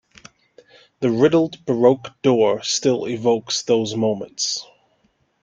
The riddled Baroque door still evokes those moments.